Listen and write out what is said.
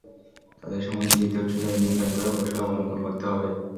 তাদের সময় দিয়ে ধৈর্য ধরে নিয়ন্ত্রণ করার কৌশল অবলম্বন করতে হবে।